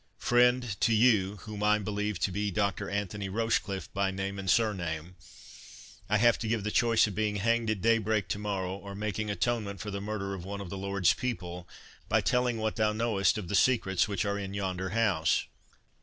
—Friend, to you,—whom I believe to be Doctor Anthony Rochecliffe by name and surname, I have to give the choice of being hanged at daybreak to morrow, or making atonement for the murder of one of the Lord's people, by telling what thou knowest of the secrets which are in yonder house."